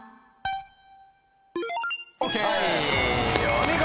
お見事！